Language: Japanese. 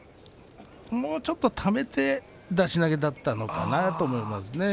もう少しためて出し投げだったのかなと思います。